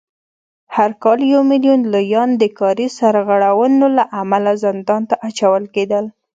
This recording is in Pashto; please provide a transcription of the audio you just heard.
هر کال یو میلیون لویان د کاري سرغړونو له امله زندان ته اچول کېدل